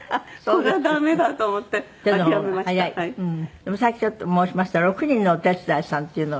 でもさっきちょっと申しました６人のお手伝いさんっていうのは。